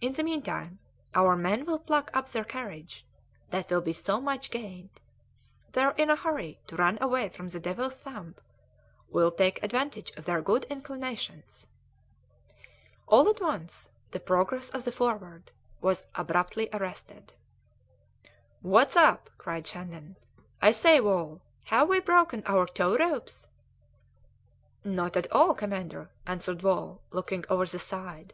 In the meantime our men will pluck up their courage that will be so much gained. They are in a hurry to run away from the Devil's Thumb; we'll take advantage of their good inclinations!" All at once the progress of the Forward was abruptly arrested. "What's up?" cried Shandon. "I say, Wall! have we broken our tow ropes?" "Not at all, commander," answered Wall, looking over the side.